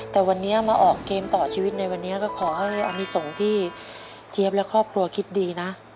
แต่วันนี้มาออกเกมต่อชีวิตในวันนี้ก็ขอให้อนิสงฆ์ที่เจี๊ยบและครอบครัวคิดดีนะ